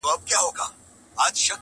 • هغې ته درد لا ژوندی دی..